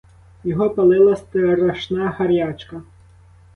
Його палила страшна гарячка.